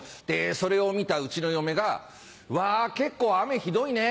それを見たうちの嫁が「うわ結構雨ひどいね。